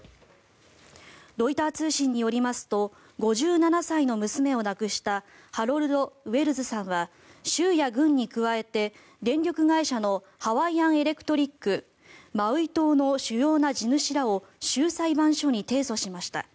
ロイター通信によりますと５７歳の娘を亡くしたハロルド・ウェルズさんは州や郡に加えて電力会社のハワイアン・エレクトリックマウイ島の主要な地主らを州裁判所に提訴しました。